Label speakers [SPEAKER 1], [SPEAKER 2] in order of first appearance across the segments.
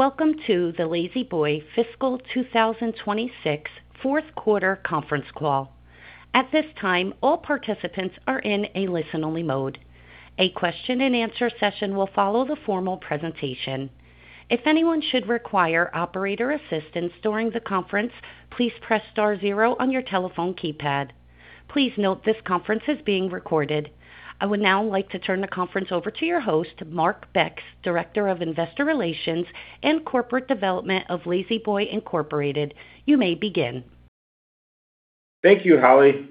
[SPEAKER 1] Welcome to the La-Z-Boy fiscal 2026 fourth quarter conference call. At this time, all participants are in a listen-only mode. A question-and-answer session will follow the formal presentation. If anyone should require operator assistance during the conference, please press star zero on your telephone keypad. Please note this conference is being recorded. I would now like to turn the conference over to your host, Mark Becks, Director of Investor Relations and Corporate Development of La-Z-Boy Incorporated. You may begin.
[SPEAKER 2] Thank you, Holly.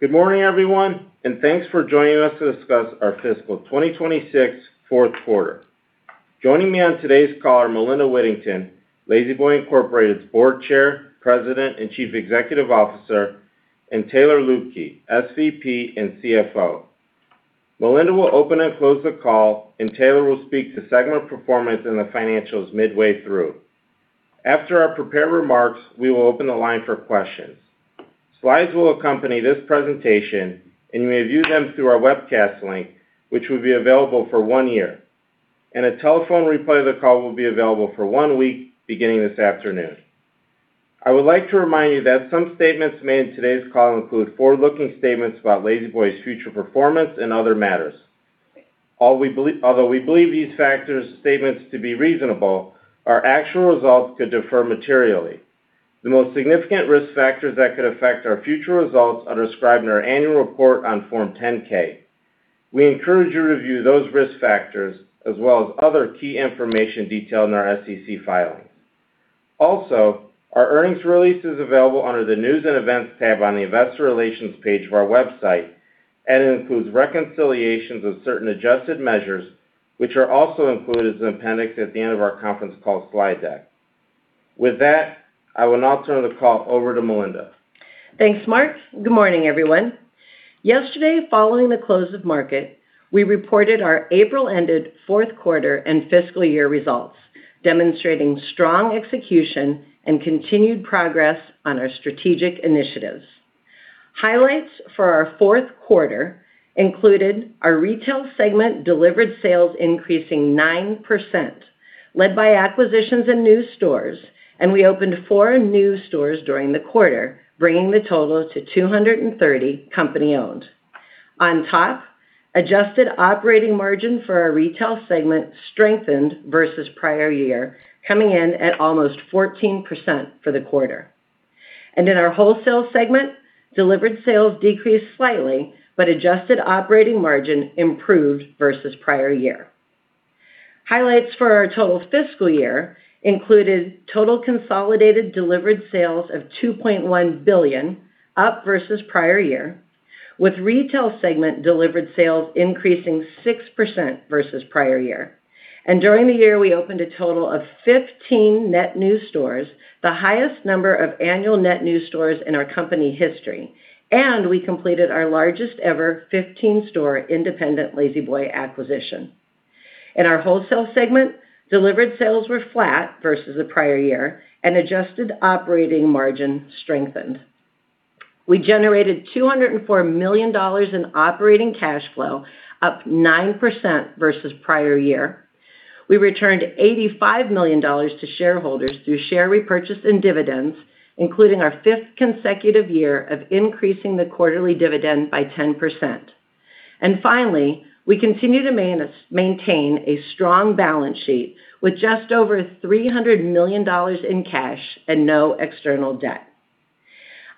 [SPEAKER 2] Good morning, everyone, and thanks for joining us to discuss our fiscal 2026 fourth quarter. Joining me on today's call are Melinda Whittington, La-Z-Boy Incorporated's Board Chair, President, and Chief Executive Officer, and Taylor Luebke, SVP and CFO. Melinda will open and close the call, and Taylor will speak to Segment performance and the financials midway through. After our prepared remarks, we will open the line for questions. Slides will accompany this presentation, and you may view them through our webcast link, which will be available for one year, and a telephone replay of the call will be available for one week, beginning this afternoon. I would like to remind you that some statements made in today's call include forward-looking statements about La-Z-Boy's future performance and other matters. Although we believe these statements to be reasonable, our actual results could differ materially. The most significant risk factors that could affect our future results are described in our annual report on Form 10-K. We encourage you to review those risk factors, as well as other key information detailed in our SEC filings. Also, our earnings release is available under the News & Events tab on the Investor Relations page of our website, and it includes reconciliations of certain adjusted measures, which are also included as an appendix at the end of our conference call slide deck. With that, I will now turn the call over to Melinda.
[SPEAKER 3] Thanks, Mark. Good morning, everyone. Yesterday, following the close of market, we reported our April-ended fourth quarter and fiscal year results, demonstrating strong execution and continued progress on our strategic initiatives. Highlights for our fourth quarter included our Retail Segment delivered sales increasing 9%, led by acquisitions in new stores, and we opened four new stores during the quarter, bringing the total to 230 company-owned. On top, adjusted operating margin for our Retail Segment strengthened versus prior year, coming in at almost 14% for the quarter. In our Wholesale Segment, delivered sales decreased slightly, but adjusted operating margin improved versus prior year. Highlights for our total fiscal year included total consolidated delivered sales of $2.1 billion, up versus prior year, with Retail Segment delivered sales increasing 6% versus prior year. During the year, we opened a total of 15 net new stores, the highest number of annual net new stores in our company history. We completed our largest-ever 15-store independent La-Z-Boy acquisition. In our Wholesale segment, delivered sales were flat versus the prior year, and adjusted operating margin strengthened. We generated $204 million in operating cash flow, up 9% versus prior year. We returned $85 million to shareholders through share repurchase and dividends, including our fifth consecutive year of increasing the quarterly dividend by 10%. Finally, we continue to maintain a strong balance sheet with just over $300 million in cash and no external debt.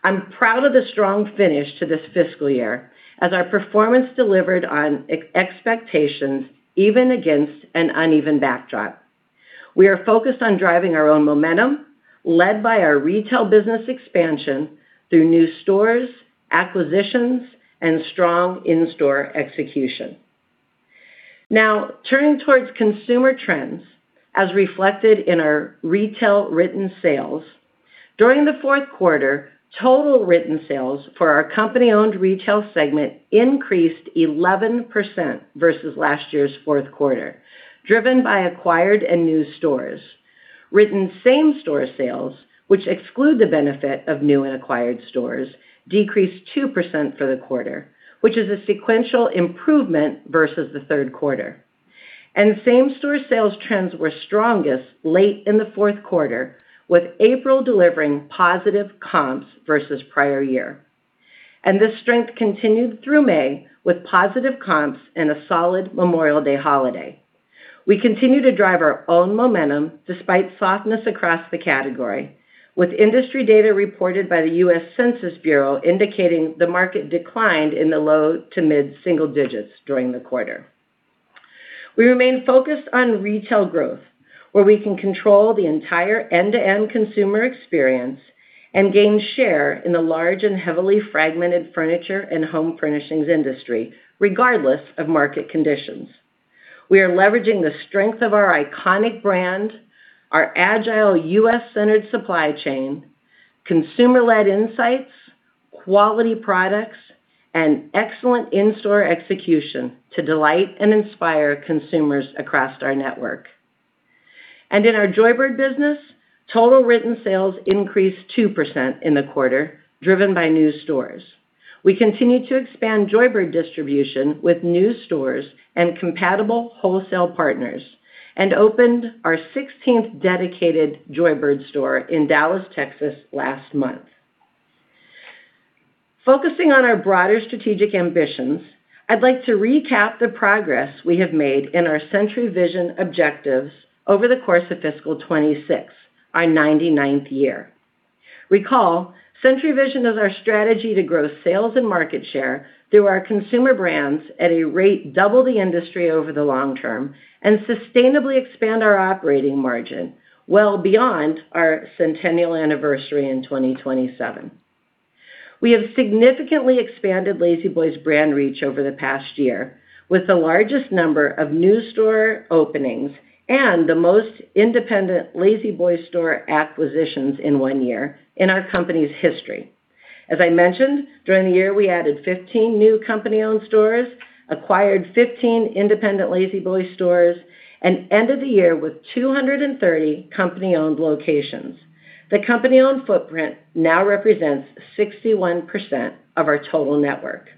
[SPEAKER 3] I'm proud of the strong finish to this fiscal year as our performance delivered on expectations even against an uneven backdrop. We are focused on driving our own momentum, led by our retail business expansion through new stores, acquisitions, and strong in-store execution. Turning towards consumer trends, as reflected in our retail written sales. During the fourth quarter, total written sales for our company-owned retail segment increased 11% versus last year's fourth quarter, driven by acquired and new stores. Written same-store sales, which exclude the benefit of new and acquired stores, decreased 2% for the quarter, which is a sequential improvement versus the third quarter. Same-store sales trends were strongest late in the fourth quarter, with April delivering positive comps versus the prior year. This strength continued through May with positive comps and a solid Memorial Day holiday. We continue to drive our own momentum despite softness across the category, with industry data reported by the U.S. Census Bureau indicating the market declined in the low to mid-single digits during the quarter. We remain focused on retail growth, where we can control the entire end-to-end consumer experience and gain share in the large and heavily fragmented furniture and home furnishings industry, regardless of market conditions. We are leveraging the strength of our iconic brand, our agile U.S.-centered supply chain, consumer-led insights, quality products, and excellent in-store execution to delight and inspire consumers across our network. In our Joybird business, total written sales increased 2% in the quarter, driven by new stores. We continue to expand Joybird distribution with new stores and compatible wholesale partners and opened our 16th dedicated Joybird store in Dallas, Texas last month. Focusing on our broader strategic ambitions, I'd like to recap the progress we have made in our Century Vision objectives over the course of fiscal 2026, our 99th year. Recall, Century Vision is our strategy to grow sales and market share through our consumer brands at a rate double the industry over the long term and sustainably expand our operating margin, well beyond our centennial anniversary in 2027. We have significantly expanded La-Z-Boy's brand reach over the past year with the largest number of new store openings and the most independent La-Z-Boy store acquisitions in one year in our company's history. As I mentioned, during the year, we added 15 new company-owned stores, acquired 15 independent La-Z-Boy stores, and ended the year with 230 company-owned locations. The company-owned footprint now represents 61% of our total network.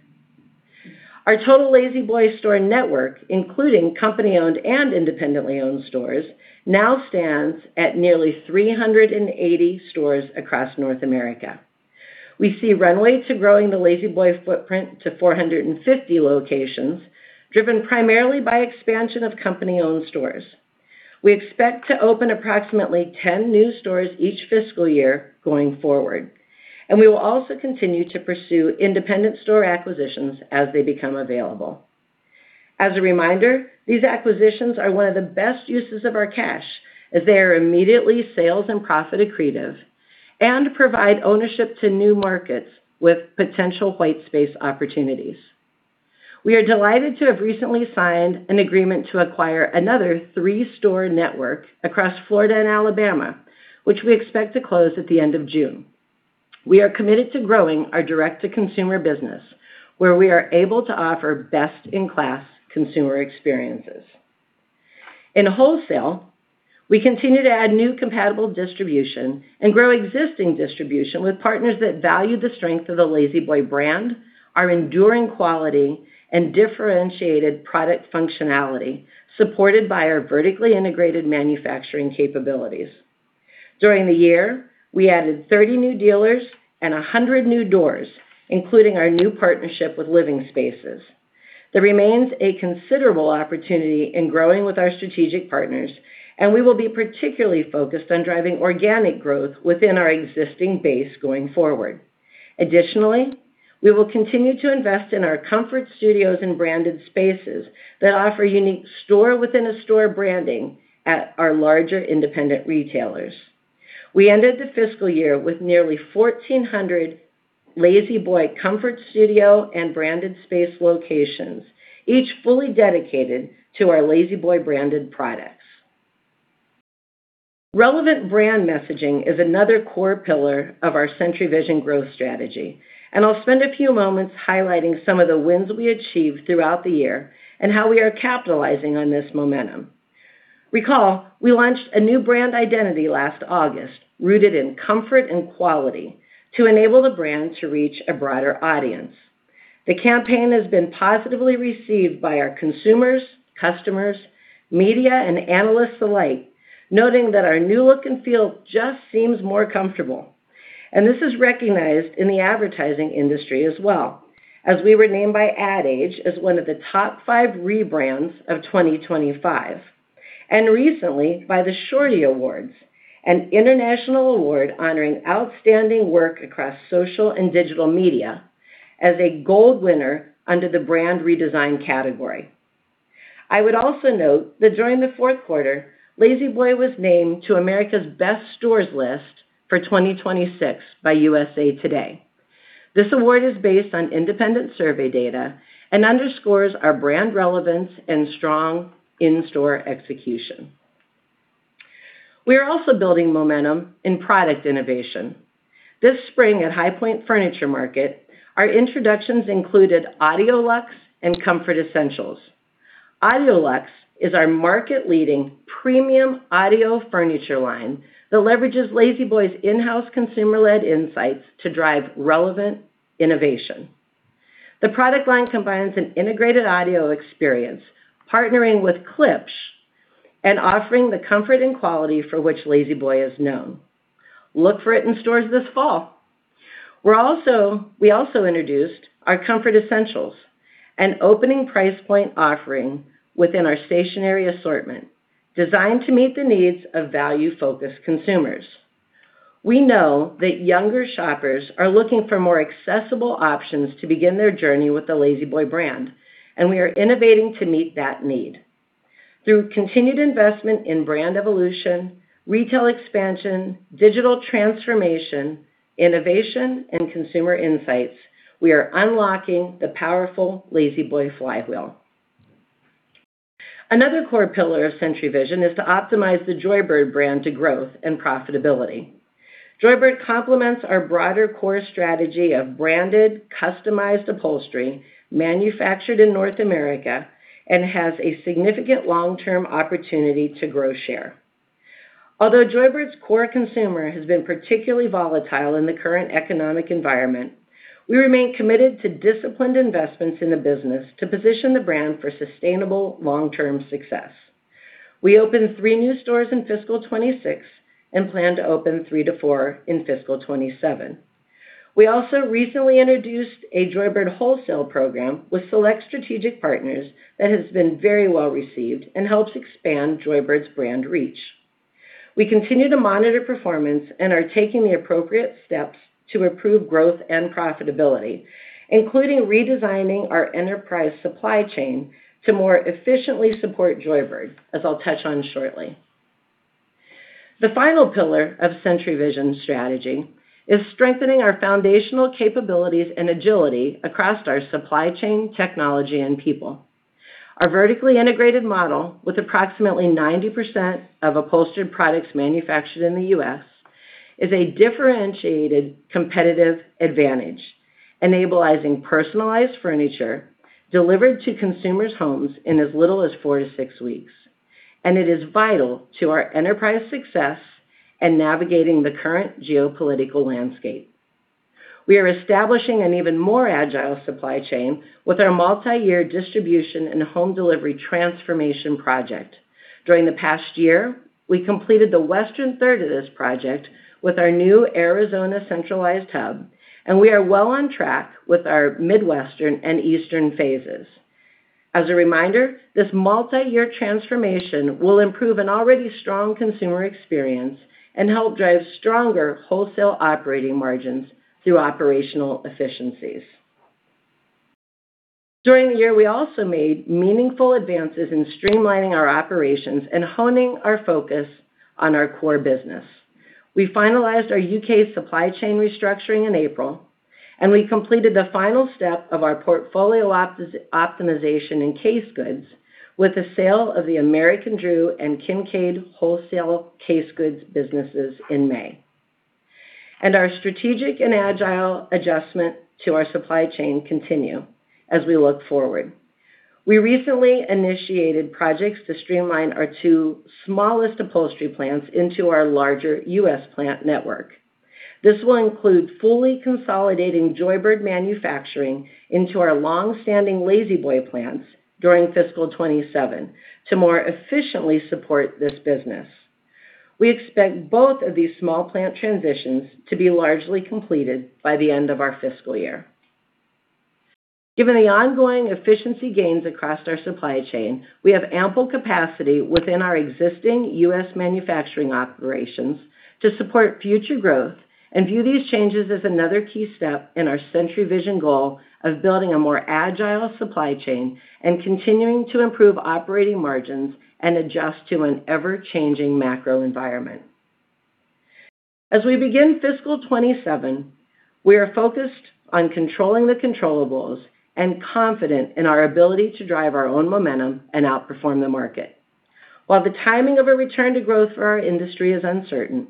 [SPEAKER 3] Our total La-Z-Boy store network, including company-owned and independently owned stores, now stands at nearly 380 stores across North America. We see runway to growing the La-Z-Boy footprint to 450 locations, driven primarily by expansion of company-owned stores. We expect to open approximately 10 new stores each fiscal year going forward, and we will also continue to pursue independent store acquisitions as they become available. As a reminder, these acquisitions are one of the best uses of our cash as they are immediately sales and profit accretive and provide ownership to new markets with potential white space opportunities. We are delighted to have recently signed an agreement to acquire another three-store network across Florida and Alabama, which we expect to close at the end of June. We are committed to growing our direct-to-consumer business, where we are able to offer best-in-class consumer experiences. In wholesale, we continue to add new compatible distribution and grow existing distribution with partners that value the strength of the La-Z-Boy brand, our enduring quality, and differentiated product functionality, supported by our vertically integrated manufacturing capabilities. During the year, we added 30 new dealers and 100 new doors, including our new partnership with Living Spaces. There remains a considerable opportunity in growing with our strategic partners, and we will be particularly focused on driving organic growth within our existing base going forward. Additionally, we will continue to invest in our Comfort Studios and Branded Spaces that offer unique store-within-a-store branding at our larger independent retailers. We ended the fiscal year with nearly 1,400 La-Z-Boy Comfort Studio and Branded Space locations, each fully dedicated to our La-Z-Boy branded products. Relevant brand messaging is another core pillar of our Century Vision growth strategy, and I'll spend a few moments highlighting some of the wins we achieved throughout the year and how we are capitalizing on this momentum. This is recognized in the advertising industry as well, as we were named by Ad Age as one of the top five rebrands of 2025, and recently by the Shorty Awards, an international award honoring outstanding work across social and digital media, as a gold winner under the Brand Redesign category. I would also note that during the fourth quarter, La-Z-Boy was named to America's Best Stores list for 2026 by USA Today. This award is based on independent survey data and underscores our brand relevance and strong in-store execution. We are also building momentum in product innovation. This spring at High Point Market, our introductions included AudioLuxe and Comfort Essentials. AudioLuxe is our market-leading premium audio furniture line that leverages La-Z-Boy's in-house consumer-led insights to drive relevant innovation. The product line combines an integrated audio experience, partnering with Klipsch and offering the comfort and quality for which La-Z-Boy is known. Look for it in stores this fall. We also introduced our Comfort Essentials, an opening price point offering within our stationary assortment designed to meet the needs of value-focused consumers. We know that younger shoppers are looking for more accessible options to begin their journey with the La-Z-Boy brand, and we are innovating to meet that need. Through continued investment in brand evolution, retail expansion, digital transformation, innovation, and consumer insights, we are unlocking the powerful La-Z-Boy flywheel. Another core pillar of Century Vision is to optimize the Joybird brand to growth and profitability. Joybird complements our broader core strategy of branded, customized upholstery manufactured in North America and has a significant long-term opportunity to grow share. Although Joybird's core consumer has been particularly volatile in the current economic environment, we remain committed to disciplined investments in the business to position the brand for sustainable long-term success. We opened three new stores in fiscal 2026 and plan to open three to four in fiscal 2027. We also recently introduced a Joybird wholesale program with select strategic partners that has been very well-received and helps expand Joybird's brand reach. We continue to monitor performance and are taking the appropriate steps to improve growth and profitability, including redesigning our enterprise supply chain to more efficiently support Joybird, as I'll touch on shortly. The final pillar of Century Vision's strategy is strengthening our foundational capabilities and agility across our supply chain, technology, and people. Our vertically integrated model, with approximately 90% of upholstered products manufactured in the U.S., is a differentiated competitive advantage, enabling personalized furniture delivered to consumers' homes in as little as four to six weeks. It is vital to our enterprise success and navigating the current geopolitical landscape. We are establishing an even more agile supply chain with our multi-year distribution and home delivery transformation project. During the past year, we completed the western third of this project with our new Arizona centralized hub, and we are well on track with our Midwestern and eastern phases. As a reminder, this multi-year transformation will improve an already strong consumer experience and help drive stronger wholesale operating margins through operational efficiencies. During the year, we also made meaningful advances in streamlining our operations and honing our focus on our core business. We finalized our U.K. supply chain restructuring in April, and we completed the final step of our portfolio optimization in case goods with the sale of the American Drew and Kincaid wholesale case goods businesses in May. Our strategic and agile adjustment to our supply chain continue as we look forward. We recently initiated projects to streamline our two smallest upholstery plants into our larger U.S. plant network. This will include fully consolidating Joybird manufacturing into our longstanding La-Z-Boy plants during fiscal 2027 to more efficiently support this business. We expect both of these small plant transitions to be largely completed by the end of our fiscal year. Given the ongoing efficiency gains across our supply chain, we have ample capacity within our existing U.S. manufacturing operations to support future growth and view these changes as another key step in our Century Vision goal of building a more agile supply chain and continuing to improve operating margins and adjust to an ever-changing macro environment. As we begin fiscal 2027, we are focused on controlling the controllables and confident in our ability to drive our own momentum and outperform the market. While the timing of a return to growth for our industry is uncertain,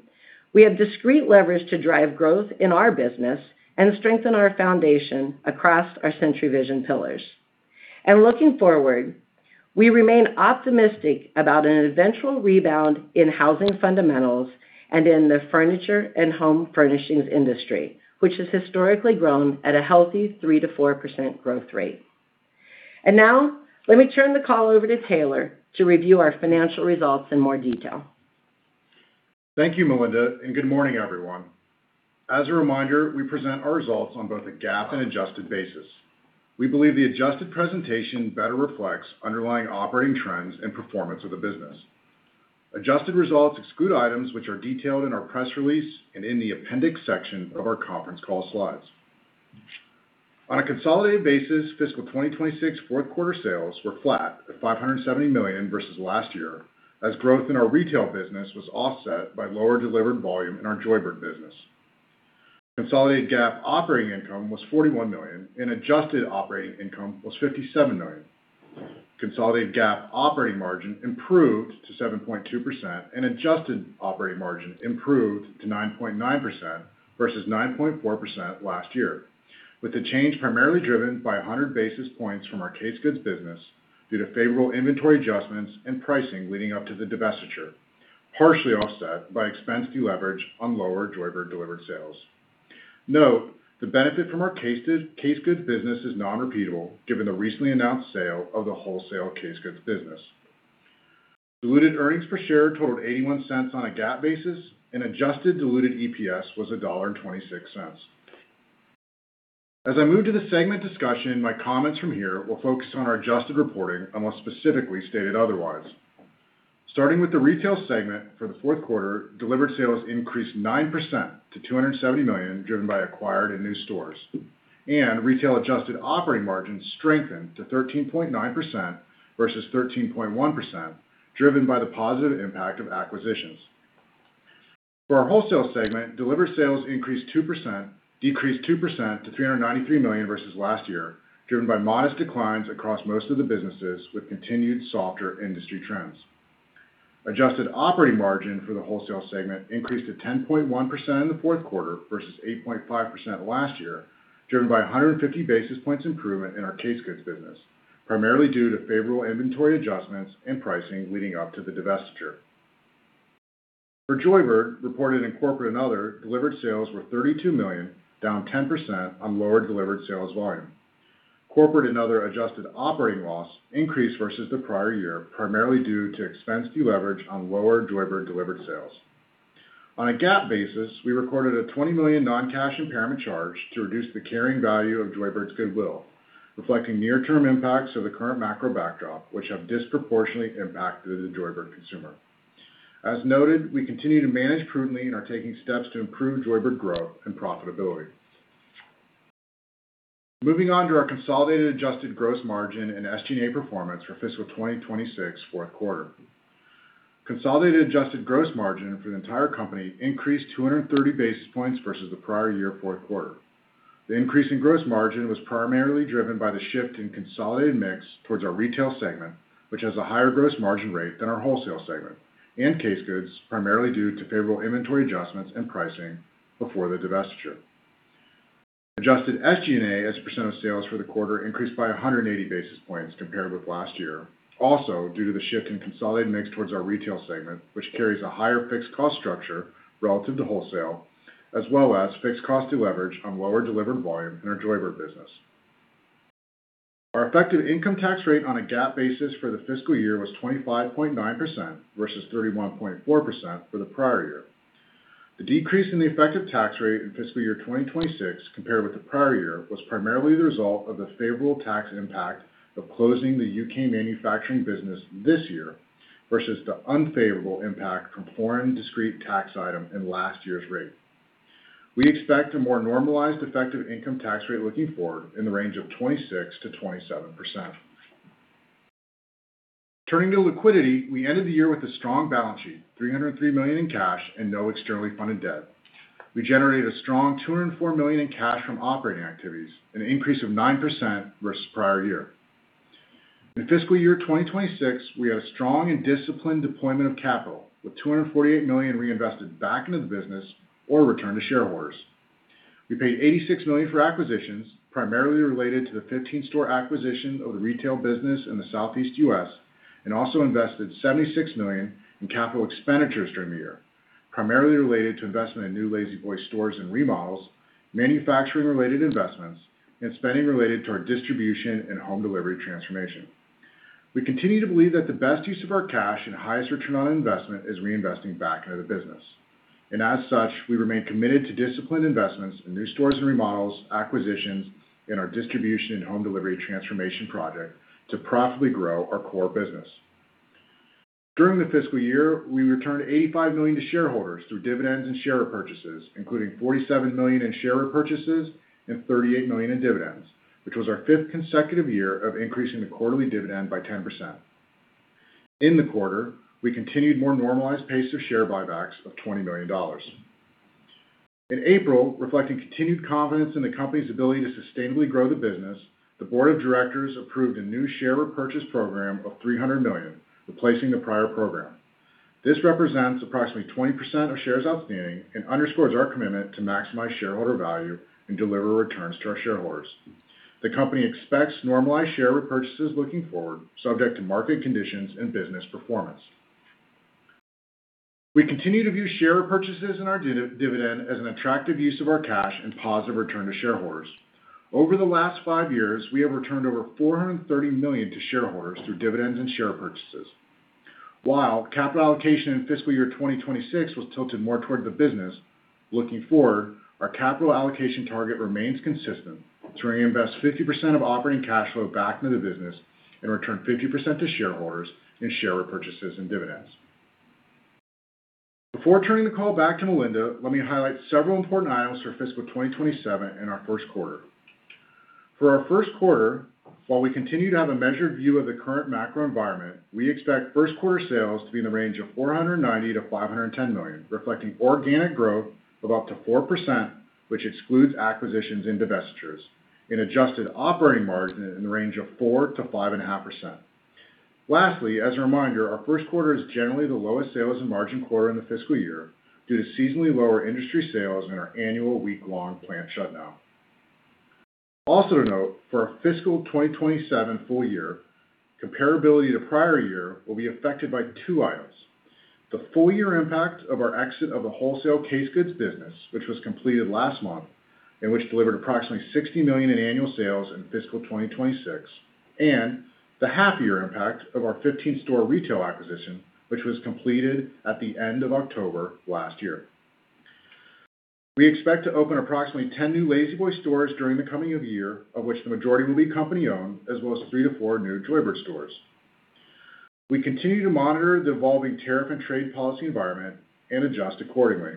[SPEAKER 3] we have discrete levers to drive growth in our business and strengthen our foundation across our Century Vision pillars. Looking forward, we remain optimistic about an eventual rebound in housing fundamentals and in the furniture and home furnishings industry, which has historically grown at a healthy 3%-4% growth rate. Now, let me turn the call over to Taylor to review our financial results in more detail.
[SPEAKER 4] Thank you, Melinda, and good morning, everyone. As a reminder, we present our results on both a GAAP and adjusted basis. We believe the adjusted presentation better reflects underlying operating trends and performance of the business. Adjusted results exclude items which are detailed in our press release and in the appendix section of our conference call slides. On a consolidated basis, fiscal 2026 fourth quarter sales were flat at $570 million versus last year, as growth in our retail business was offset by lower delivered volume in our Joybird business. Consolidated GAAP operating income was $41 million, and adjusted operating income was $57 million. Consolidated GAAP operating margin improved to 7.2%, and adjusted operating margin improved to 9.9% versus 9.4% last year, with the change primarily driven by 100 basis points from our case goods business due to favorable inventory adjustments and pricing leading up to the divestiture, partially offset by expense deleverage on lower Joybird delivered sales. Note, the benefit from our case goods business is non-repeatable given the recently announced sale of the wholesale case goods business. Diluted earnings per share totaled $0.81 on a GAAP basis, and adjusted diluted EPS was $1.26. As I move to the segment discussion, my comments from here will focus on our adjusted reporting unless specifically stated otherwise. Starting with the retail segment, for the fourth quarter, delivered sales increased 9% to $270 million, driven by acquired and new stores, and retail adjusted operating margins strengthened to 13.9% versus 13.1%, driven by the positive impact of acquisitions. For our wholesale segment, delivered sales decreased 2% to $393 million versus last year, driven by modest declines across most of the businesses with continued softer industry trends. Adjusted operating margin for the wholesale segment increased to 10.1% in the fourth quarter versus 8.5% last year, driven by 150 basis points improvement in our case goods business, primarily due to favorable inventory adjustments and pricing leading up to the divestiture. For Joybird reported in corporate and other delivered sales were $32 million, down 10% on lower delivered sales volume. Corporate and other adjusted operating loss increased versus the prior year, primarily due to expense deleverage on lower Joybird delivered sales. On a GAAP basis, we recorded a $20 million non-cash impairment charge to reduce the carrying value of Joybird's goodwill, reflecting near-term impacts of the current macro backdrop, which have disproportionately impacted the Joybird consumer. As noted, we continue to manage prudently and are taking steps to improve Joybird growth and profitability. Moving on to our consolidated adjusted gross margin and SG&A performance for fiscal 2026 fourth quarter. Consolidated adjusted gross margin for the entire company increased 230 basis points versus the prior year fourth quarter. The increase in gross margin was primarily driven by the shift in consolidated mix towards our retail segment, which has a higher gross margin rate than our wholesale segment, and case goods, primarily due to favorable inventory adjustments and pricing before the divestiture. Adjusted SG&A as a percent of sales for the quarter increased by 180 basis points compared with last year. Due to the shift in consolidated mix towards our retail segment, which carries a higher fixed cost structure relative to wholesale, as well as fixed cost deleverage on lower delivered volume in our Joybird business. Our effective income tax rate on a GAAP basis for the fiscal year was 25.9% versus 31.4% for the prior year. The decrease in the effective tax rate in fiscal year 2026 compared with the prior year, was primarily the result of the favorable tax impact of closing the U.K. manufacturing business this year versus the unfavorable impact from foreign discrete tax item in last year's rate. We expect a more normalized effective income tax rate looking forward in the range of 26%-27%. Turning to liquidity, we ended the year with a strong balance sheet, $303 million in cash and no externally funded debt. We generated a strong $204 million in cash from operating activities, an increase of 9% versus the prior year. In fiscal year 2026, we had a strong and disciplined deployment of capital, with $248 million reinvested back into the business or returned to shareholders. We paid $86 million for acquisitions, primarily related to the 15-store acquisition of the retail business in the Southeast U.S., and also invested $76 million in capital expenditures during the year, primarily related to investment in new La-Z-Boy stores and remodels, manufacturing-related investments, and spending related to our distribution and home delivery transformation. We continue to believe that the best use of our cash and highest return on investment is reinvesting back into the business. As such, we remain committed to disciplined investments in new stores and remodels, acquisitions, and our distribution and home delivery transformation project to profitably grow our core business. During the fiscal year, we returned $85 million to shareholders through dividends and share repurchases, including $47 million in share repurchases and $38 million in dividends, which was our fifth consecutive year of increasing the quarterly dividend by 10%. In the quarter, we continued a more normalized pace of share buybacks of $20 million. In April, reflecting continued confidence in the company's ability to sustainably grow the business, the board of directors approved a new share repurchase program of $300 million, replacing the prior program. This represents approximately 20% of shares outstanding and underscores our commitment to maximize shareholder value and deliver returns to our shareholders. The company expects normalized share repurchases looking forward, subject to market conditions and business performance. We continue to view share repurchases and our dividend as an attractive use of our cash and positive return to shareholders. Over the last five years, we have returned over $430 million to shareholders through dividends and share purchases. While capital allocation in fiscal year 2026 was tilted more toward the business, looking forward, our capital allocation target remains consistent to reinvest 50% of operating cash flow back into the business and return 50% to shareholders in share repurchases and dividends. Before turning the call back to Melinda, let me highlight several important items for fiscal 2027 and our first quarter. For our first quarter, while we continue to have a measured view of the current macro environment, we expect first quarter sales to be in the range of $490 million-$510 million, reflecting organic growth of up to 4%, which excludes acquisitions and divestitures, and adjusted operating margin in the range of 4%-5.5%. Lastly, as a reminder, our first quarter is generally the lowest sales and margin quarter in the fiscal year due to seasonally lower industry sales and our annual week-long plant shutdown. To note, for our fiscal 2027 full year, comparability to prior year will be affected by two items. The full year impact of our exit of the wholesale case goods business, which was completed last month, and which delivered approximately $60 million in annual sales in fiscal 2026, and the half-year impact of our 15-store retail acquisition, which was completed at the end of October last year. We expect to open approximately 10 new La-Z-Boy stores during the coming year, of which the majority will be company-owned, as well as three to four new Joybird stores. We continue to monitor the evolving tariff and trade policy environment and adjust accordingly.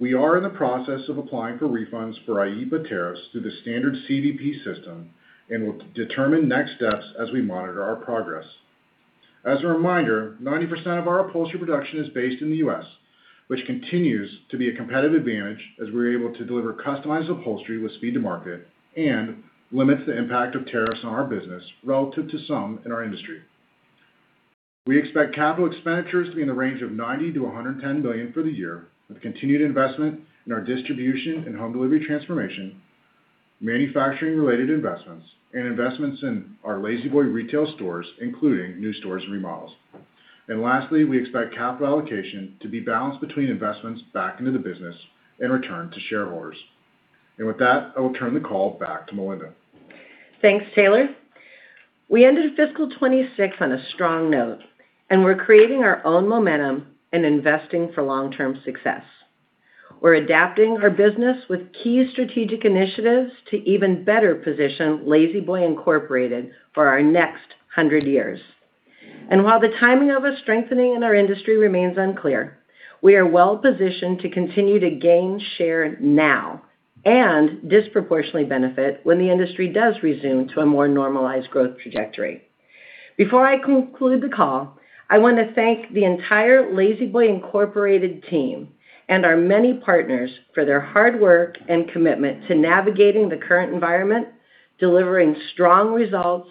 [SPEAKER 4] We are in the process of applying for refunds for IEEPA tariffs through the standard CBP system and will determine next steps as we monitor our progress. As a reminder, 90% of our upholstery production is based in the U.S., which continues to be a competitive advantage as we are able to deliver customized upholstery with speed to market and limits the impact of tariffs on our business relative to some in our industry. We expect capital expenditures to be in the range of $90 million-$110 million for the year, with continued investment in our distribution and home delivery transformation Manufacturing-related investments and investments in our La-Z-Boy retail stores, including new stores and remodels. Lastly, we expect capital allocation to be balanced between investments back into the business and return to shareholders. With that, I will turn the call back to Melinda.
[SPEAKER 3] Thanks, Taylor. We ended fiscal 2026 on a strong note, and we're creating our own momentum and investing for long-term success. We're adapting our business with key strategic initiatives to even better position La-Z-Boy Incorporated for our next 100 years. While the timing of a strengthening in our industry remains unclear, we are well-positioned to continue to gain share now and disproportionately benefit when the industry does resume to a more normalized growth trajectory. Before I conclude the call, I want to thank the entire La-Z-Boy Incorporated team and our many partners for their hard work and commitment to navigating the current environment, delivering strong results,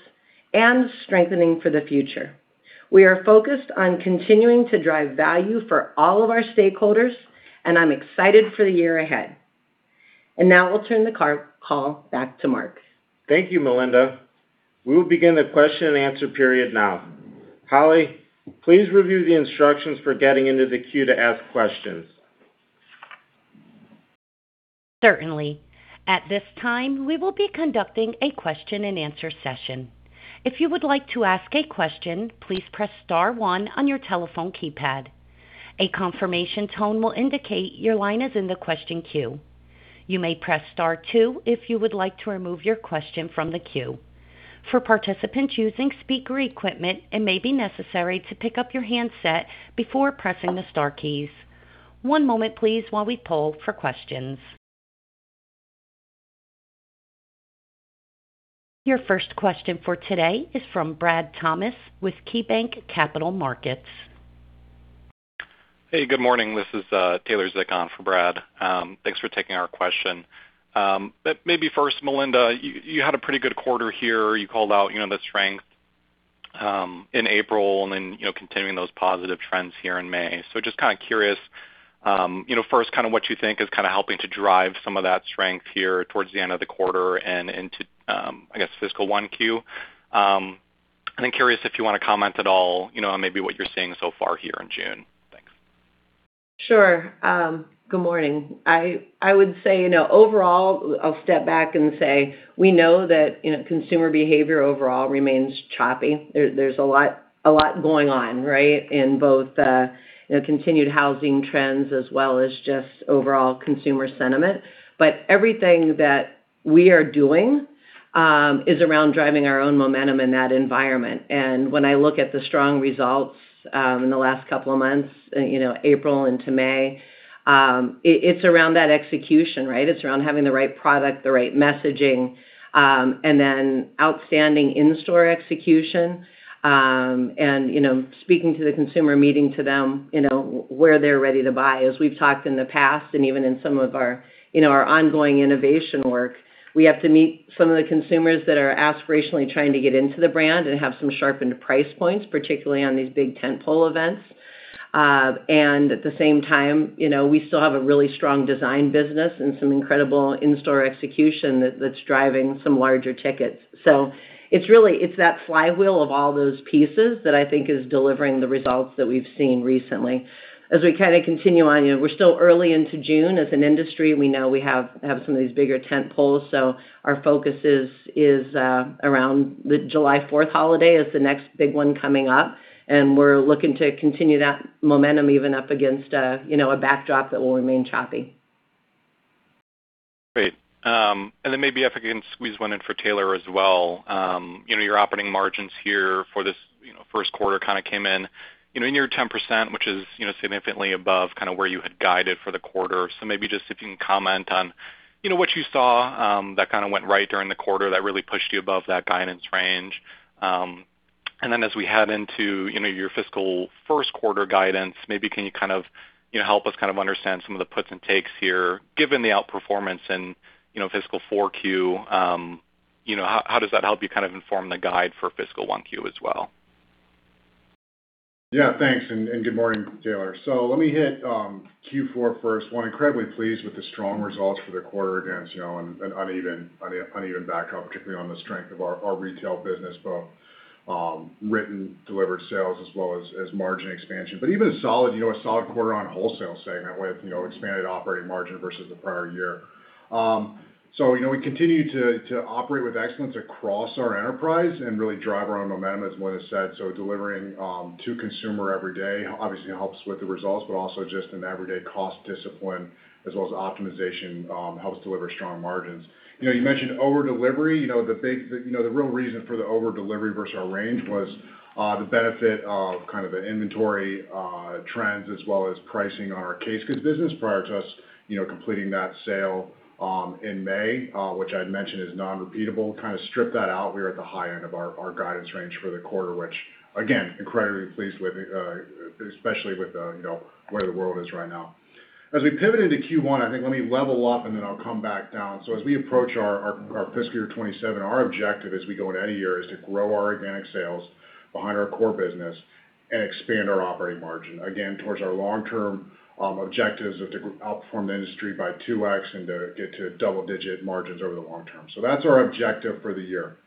[SPEAKER 3] and strengthening for the future. We are focused on continuing to drive value for all of our stakeholders, and I'm excited for the year ahead. Now I'll turn the call back to Mark.
[SPEAKER 2] Thank you, Melinda. We will begin the question and answer period now. Holly, please review the instructions for getting into the queue to ask questions.
[SPEAKER 1] Certainly. At this time, we will be conducting a question and answer session. If you would like to ask a question, please press star one on your telephone keypad. A confirmation tone will indicate your line is in the question queue. You may press star two if you would like to remove your question from the queue. For participants using speaker equipment, it may be necessary to pick up your handset before pressing the star keys. One moment, please, while we poll for questions. Your first question for today is from Bradley Thomas with KeyBanc Capital Markets.
[SPEAKER 5] Hey, good morning. This is Taylor Zick on for Brad. Thanks for taking our question. Maybe first, Melinda, you had a pretty good quarter here. You called out the strength in April continuing those positive trends here in May. Just kind of curious, first, what you think is helping to drive some of that strength here towards the end of the quarter and into, I guess, fiscal 1Q. Curious if you want to comment at all on maybe what you're seeing so far here in June. Thanks.
[SPEAKER 3] Sure. Good morning. I would say, overall, I'll step back and say we know that consumer behavior overall remains choppy. There's a lot going on, right, in both continued housing trends as well as just overall consumer sentiment. Everything that we are doing is around driving our own momentum in that environment. When I look at the strong results in the last couple of months, April into May, it's around that execution, right? It's around having the right product, the right messaging, outstanding in-store execution. Speaking to the consumer, meeting to them where they're ready to buy. As we've talked in the past and even in some of our ongoing innovation work, we have to meet some of the consumers that are aspirationally trying to get into the brand and have some sharpened price points, particularly on these big tentpole events. At the same time, we still have a really strong design business and some incredible in-store execution that's driving some larger tickets. It's that flywheel of all those pieces that I think is delivering the results that we've seen recently. As we kind of continue on, we're still early into June. As an industry, we know we have some of these bigger tentpoles. Our focus is around the July 4th holiday as the next big one coming up, and we're looking to continue that momentum even up against a backdrop that will remain choppy.
[SPEAKER 5] Great. Then maybe if I can squeeze one in for Taylor as well. Your operating margins here for this first quarter kind of came in near 10%, which is significantly above where you had guided for the quarter. Maybe just if you can comment on what you saw that kind of went right during the quarter that really pushed you above that guidance range. Then as we head into your fiscal first quarter guidance, maybe can you kind of help us kind of understand some of the puts and takes here, given the outperformance in fiscal 4Q. How does that help you kind of inform the guide for fiscal 1Q as well?
[SPEAKER 4] Thanks, good morning, Taylor. Let me hit Q4 first. We're incredibly pleased with the strong results for the quarter against an uneven backdrop, particularly on the strength of our retail business, both written delivered sales as well as margin expansion. Even a solid quarter on the wholesale segment with expanded operating margin versus the prior year. We continue to operate with excellence across our enterprise and really drive our own momentum, as Melinda said. Delivering to consumer every day obviously helps with the results, but also just an everyday cost discipline as well as optimization helps deliver strong margins. You mentioned over-delivery. The real reason for the over-delivery versus our range was the benefit of kind of the inventory trends as well as pricing on our case goods business prior to us completing that sale in May, which I'd mentioned is non-repeatable. Kind of strip that out, we are at the high end of our guidance range for the quarter, which again, incredibly pleased with, especially with where the world is right now. As we pivot into Q1, I think let me level up and then I'll come back down. As we approach our fiscal year 2027, our objective as we go into any year is to grow our organic sales behind our core business and expand our operating margin, again, towards our long-term objectives of to outperform the industry by 2X and to get to double-digit margins over the long term. That's our objective for the year.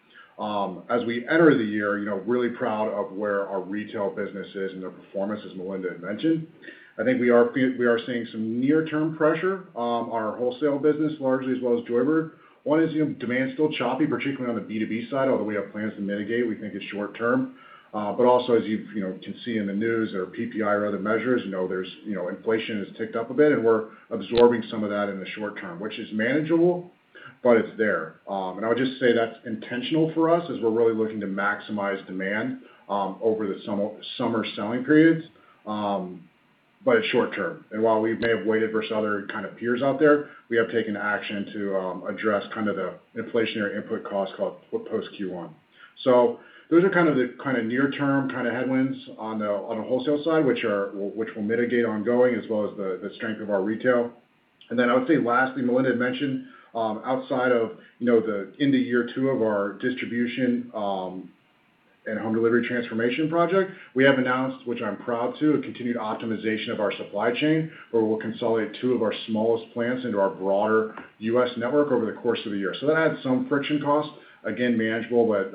[SPEAKER 4] As we enter the year, really proud of where our retail business is and their performance, as Melinda had mentioned. I think we are seeing some near-term pressure on our wholesale business, largely, as well as Joybird. One is demand's still choppy, particularly on the B2B side, although we have plans to mitigate. We think it's short-term. Also, as you can see in the news or PPI or other measures, inflation has ticked up a bit, and we're absorbing some of that in the short term, which is manageable. It's there. I would just say that's intentional for us as we're really looking to maximize demand over the summer selling periods, but it's short term. While we may have waited versus other kind of peers out there, we have taken action to address kind of the inflationary input cost called post Q1. Those are kind of the near term kind of headwinds on the wholesale side, which will mitigate ongoing as well as the strength of our retail. I would say lastly, Melinda had mentioned, outside of the into year two of our distribution, and home delivery transformation project, we have announced, which I'm proud to, a continued optimization of our supply chain, where we'll consolidate two of our smallest plants into our broader U.S. network over the course of the year. That adds some friction costs. Again, manageable, but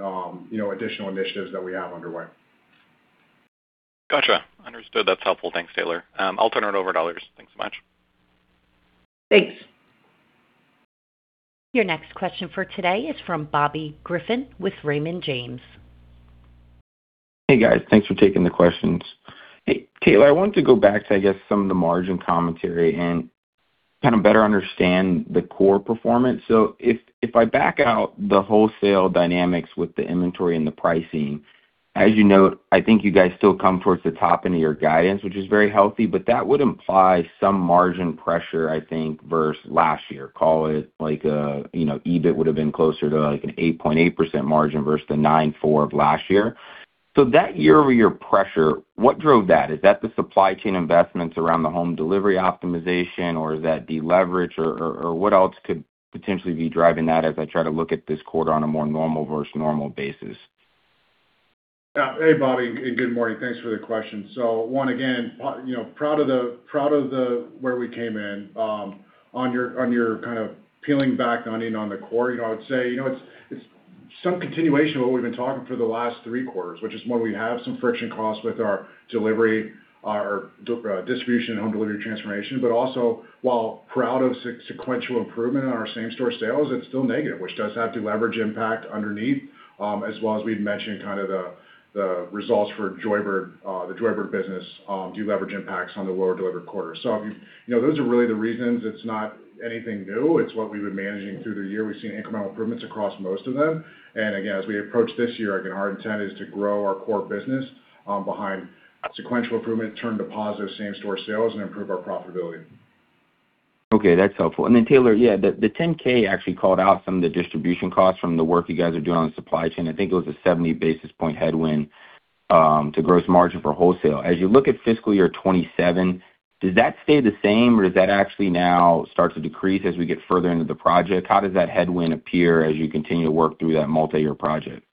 [SPEAKER 4] additional initiatives that we have underway.
[SPEAKER 5] Got you. Understood. That's helpful. Thanks, Taylor. I'll turn it over to Holly. Thanks so much.
[SPEAKER 3] Thanks.
[SPEAKER 1] Your next question for today is from Bobby Griffin with Raymond James.
[SPEAKER 6] Hey, guys. Thanks for taking the questions. Hey, Taylor, I wanted to go back to, I guess, some of the margin commentary and kind of better understand the core performance. If I back out the wholesale dynamics with the inventory and the pricing, as you note, I think you guys still come towards the top end of your guidance, which is very healthy, but that would imply some margin pressure, I think, versus last year. Call it like EBIT would've been closer to like an 8.8% margin versus the 9.4% of last year. That year-over-year pressure, what drove that? Is that the supply chain investments around the home delivery optimization, or is that deleverage or what else could potentially be driving that as I try to look at this quarter on a more normal versus normal basis?
[SPEAKER 4] Yeah. Hey, Bobby, and good morning. Thanks for the question. One again, proud of where we came in. On your kind of peeling back on in on the core, I would say, it's some continuation of what we've been talking for the last three quarters, which is one, we have some friction costs with our distribution and home delivery transformation, also while proud of sequential improvement on our same store sales, it's still negative, which does have deleverage impact underneath. As well as we'd mentioned kind of the results for the Joybird business, deleverage impacts on the lower delivered quarter. Those are really the reasons. It's not anything new. It's what we've been managing through the year. We've seen incremental improvements across most of them. As we approach this year, our intent is to grow our core business behind sequential improvement, turn to positive same store sales, and improve our profitability.
[SPEAKER 6] Okay, that's helpful. Then Taylor, yeah, the Form 10-K actually called out some of the distribution costs from the work you guys are doing on the supply chain. I think it was a 70 basis point headwind, to gross margin for wholesale. As you look at FY 2027, does that stay the same or does that actually now start to decrease as we get further into the project? How does that headwind appear as you continue to work through that multi-year project?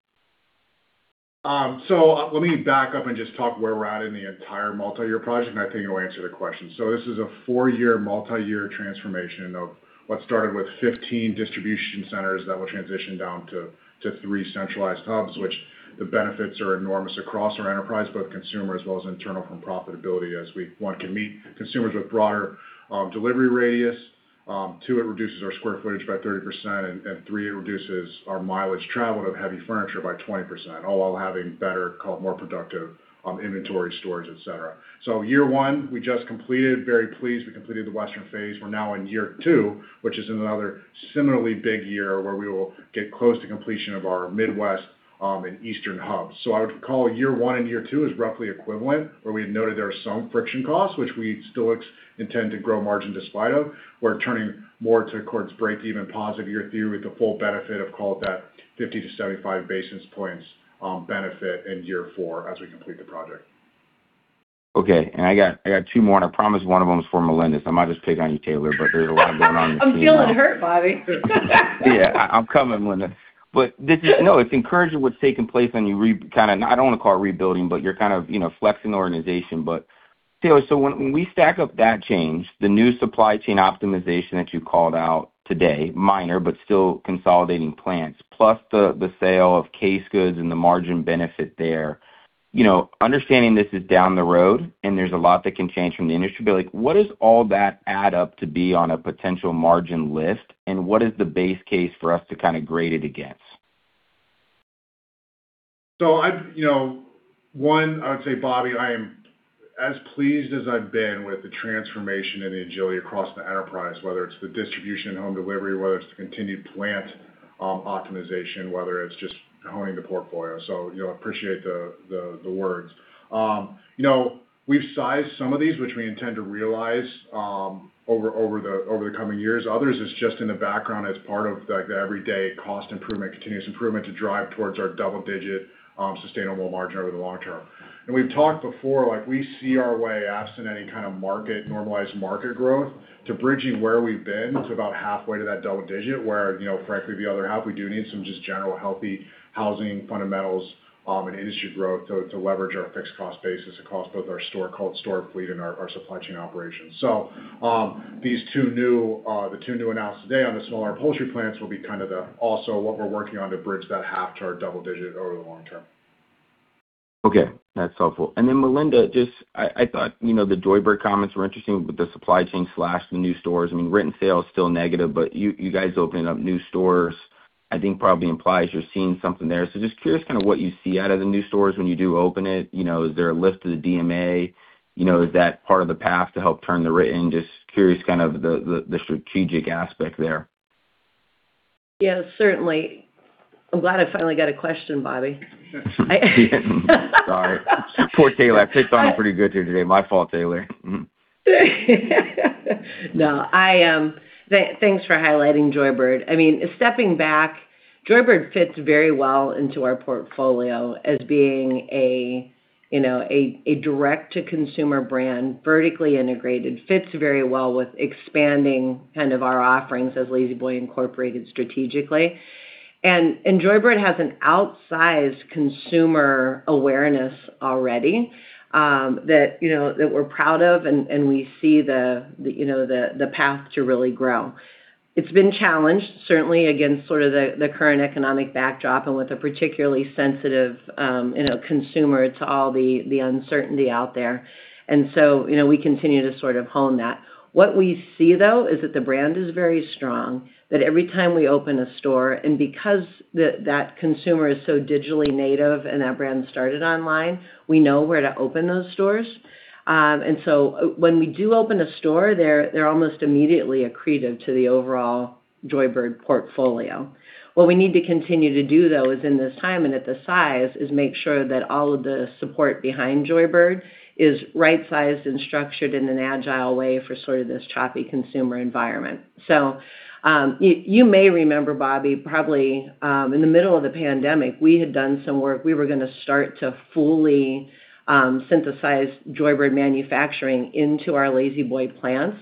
[SPEAKER 4] Let me back up and just talk where we're at in the entire multi-year project, and I think it'll answer the question. This is a four-year multi-year transformation of what started with 15 distribution centers that will transition down to three centralized hubs, which the benefits are enormous across our enterprise, both consumer as well as internal from profitability as we, one, can meet consumers with broader delivery radius. Two, it reduces our square footage by 30%, and three, it reduces our mileage traveled of heavy furniture by 20%, all while having better, call it more productive, inventory storage, et cetera. Year one, we just completed, very pleased we completed the western phase. We're now in year two, which is another similarly big year where we will get close to completion of our Midwest, and eastern hubs. I would call year one and year two as roughly equivalent, where we had noted there are some friction costs, which we still intend to grow margin despite of. We're turning more towards break even positive year three with the full benefit of, call it that, 50 to 75 basis points benefit in year four as we complete the project.
[SPEAKER 6] Okay. I got two more, and I promise one of them is for Melinda, so I might just pick on you, Taylor, there's a lot going on this team now.
[SPEAKER 3] I'm feeling hurt, Bobby.
[SPEAKER 6] No, it's encouraging what's taking place and you kind of, I don't want to call it rebuilding, but you're kind of flexing the organization. Taylor, when we stack up that change, the new supply chain optimization that you called out today, minor, but still consolidating plans, plus the sale of case goods and the margin benefit there. Understanding this is down the road and there's a lot that can change from the industry, but like what does all that add up to be on a potential margin lift, and what is the base case for us to kind of grade it against?
[SPEAKER 4] One, I would say, Bobby, I am as pleased as I've been with the transformation and the agility across the enterprise, whether it's the distribution and home delivery, whether it's the continued plant optimization, whether it's just honing the portfolio. Appreciate the words. We've sized some of these, which we intend to realize over the coming years. Others, it's just in the background as part of like the everyday cost improvement, continuous improvement to drive towards our double digit sustainable margin over the long term. We've talked before, like we see our way absent any kind of normalized market growth to bridging where we've been to about halfway to that double digit where, frankly, the other half we do need some just general healthy housing fundamentals, and industry growth to leverage our fixed cost base as across both our store fleet and our supply chain operations. The two new announced today on the smaller upholstery plants will be kind of also what we're working on to bridge that half to our double digit over the long term.
[SPEAKER 6] Okay, that's helpful. Melinda, just I thought the Joybird comments were interesting with the supply chain slash the new stores. I mean, written sales still negative, but you guys opening up new stores I think probably implies you're seeing something there. Just curious kind of what you see out of the new stores when you do open it. Is there a lift to the DMA? Is that part of the path to help turn the written? Just curious kind of the strategic aspect there.
[SPEAKER 3] Yes, certainly. I'm glad I finally got a question, Bobby.
[SPEAKER 6] Sorry. Poor Taylor, I picked on him pretty good here today. My fault, Taylor.
[SPEAKER 3] No. Thanks for highlighting Joybird. Stepping back, Joybird fits very well into our portfolio as being a direct-to-consumer brand, vertically integrated. Fits very well with expanding kind of our offerings as La-Z-Boy Incorporated strategically. Joybird has an outsized consumer awareness already that we're proud of and we see the path to really grow. It's been challenged, certainly, against sort of the current economic backdrop and with a particularly sensitive consumer to all the uncertainty out there. We continue to sort of hone that. What we see, though, is that the brand is very strong, that every time we open a store, and because that consumer is so digitally native and that brand started online, we know where to open those stores. When we do open a store, they're almost immediately accretive to the overall Joybird portfolio. What we need to continue to do, though, is in this time and at this size, is make sure that all of the support behind Joybird is right-sized and structured in an agile way for sort of this choppy consumer environment. You may remember, Bobby, probably in the middle of the pandemic, we had done some work. We were going to start to fully synthesize Joybird manufacturing into our La-Z-Boy plants.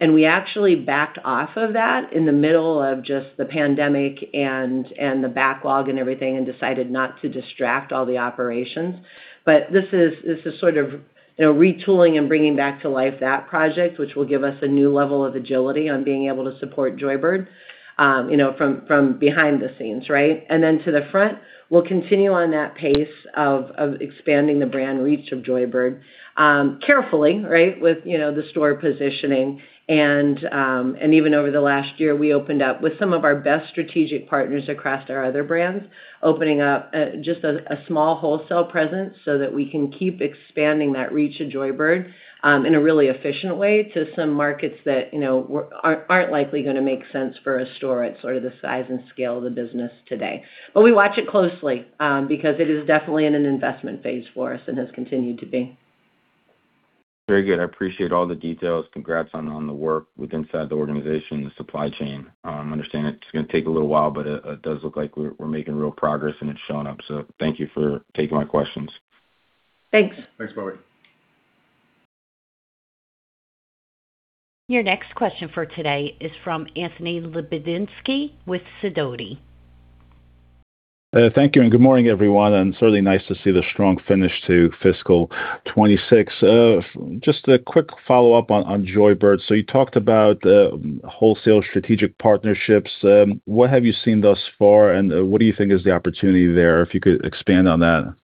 [SPEAKER 3] We actually backed off of that in the middle of just the pandemic and the backlog and everything, and decided not to distract all the operations. This is sort of retooling and bringing back to life that project, which will give us a new level of agility on being able to support Joybird from behind the scenes, right? To the front, we'll continue on that pace of expanding the brand reach of Joybird, carefully, right, with the store positioning. Even over the last year, we opened up with some of our best strategic partners across our other brands, opening up just a small wholesale presence so that we can keep expanding that reach of Joybird in a really efficient way to some markets that aren't likely gonna make sense for a store at sort of the size and scale of the business today. We watch it closely, because it is definitely in an investment phase for us and has continued to be.
[SPEAKER 6] Very good. I appreciate all the details. Congrats on the work with inside the organization and the supply chain. Understand it's gonna take a little while, but it does look like we're making real progress and it's showing up. Thank you for taking my questions.
[SPEAKER 3] Thanks.
[SPEAKER 4] Thanks, Bobby.
[SPEAKER 1] Your next question for today is from Anthony Lebiedzinski with Sidoti.
[SPEAKER 7] Thank you, good morning, everyone, and certainly nice to see the strong finish to fiscal 2026. Just a quick follow-up on Joybird. You talked about wholesale strategic partnerships. What have you seen thus far, what do you think is the opportunity there, if you could expand on that?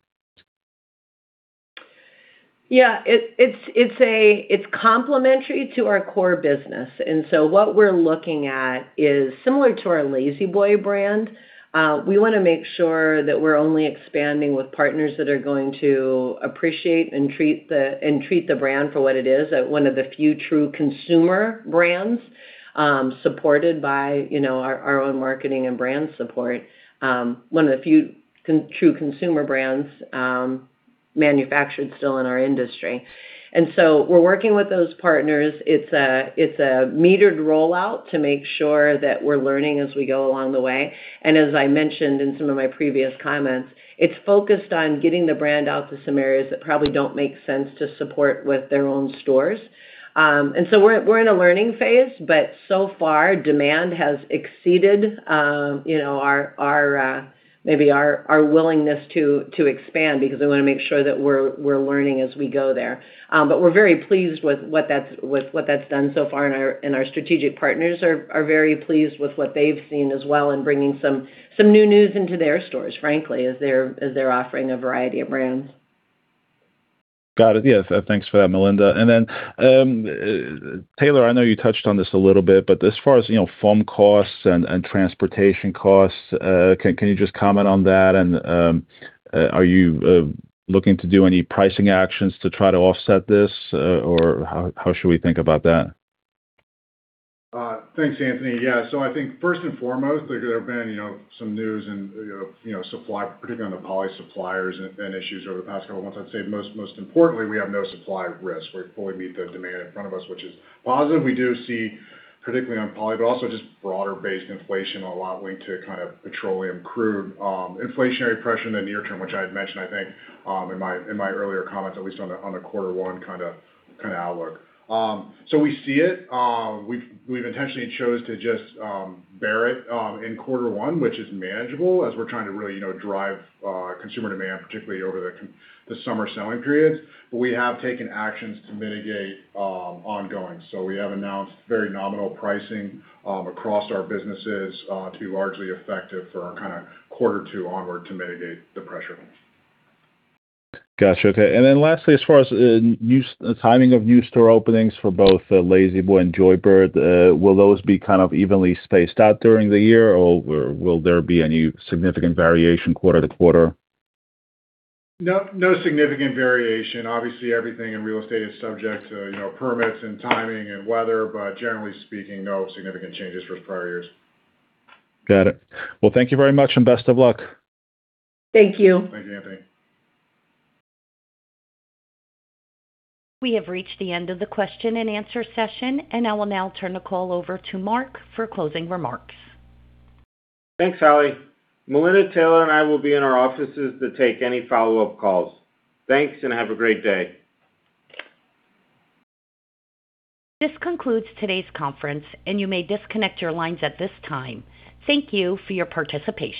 [SPEAKER 3] Yeah. It's complementary to our core business. What we're looking at is similar to our La-Z-Boy brand. We want to make sure that we're only expanding with partners that are going to appreciate and treat the brand for what it is, one of the few true consumer brands, supported by our own marketing and brand support. One of the few true consumer brands manufactured still in our industry. We're working with those partners. It's a metered rollout to make sure that we're learning as we go along the way. As I mentioned in some of my previous comments, it's focused on getting the brand out to some areas that probably don't make sense to support with their own stores. We're in a learning phase, so far, demand has exceeded maybe our willingness to expand, because we want to make sure that we're learning as we go there. We're very pleased with what that's done so far, our strategic partners are very pleased with what they've seen as well in bringing some new news into their stores, frankly, as they're offering a variety of brands.
[SPEAKER 7] Got it. Yeah. Thanks for that, Melinda. Taylor, I know you touched on this a little bit, as far as foam costs and transportation costs, can you just comment on that? Are you looking to do any pricing actions to try to offset this? How should we think about that?
[SPEAKER 4] Thanks, Anthony. Yeah. I think first and foremost, there have been some news in supply, particularly on the poly suppliers and issues over the past couple months. I'd say most importantly, we have no supply risk. We fully meet the demand in front of us, which is positive. We do see, particularly on poly, but also just broader-based inflation, a lot linked to kind of petroleum crude inflationary pressure in the near term, which I had mentioned, I think, in my earlier comments, at least on the quarter one kind of outlook. We see it. We've intentionally chose to just bear it in quarter one, which is manageable as we're trying to really drive consumer demand, particularly over the summer selling periods. We have taken actions to mitigate ongoing. We have announced very nominal pricing across our businesses to largely effective for our kind of quarter two onward to mitigate the pressure.
[SPEAKER 7] Got you. Okay. Lastly, as far as timing of new store openings for both La-Z-Boy and Joybird, will those be kind of evenly spaced out during the year, or will there be any significant variation quarter to quarter?
[SPEAKER 4] No significant variation. Obviously, everything in real estate is subject to permits and timing and weather. Generally speaking, no significant changes versus prior years.
[SPEAKER 7] Got it. Well, thank you very much, and best of luck.
[SPEAKER 3] Thank you.
[SPEAKER 4] Thank you, Anthony.
[SPEAKER 1] We have reached the end of the question and answer session, and I will now turn the call over to Mark for closing remarks.
[SPEAKER 2] Thanks, Holly. Melinda, Taylor, and I will be in our offices to take any follow-up calls. Thanks, and have a great day.
[SPEAKER 1] This concludes today's conference, and you may disconnect your lines at this time. Thank you for your participation.